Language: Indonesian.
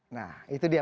nah itu dia